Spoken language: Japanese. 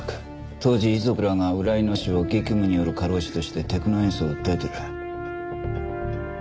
当時遺族らが浦井の死を激務による過労死としてテクノエンスを訴えてる。